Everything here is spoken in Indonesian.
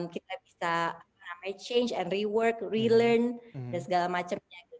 kita bisa change and reward realn dan segala macamnya gitu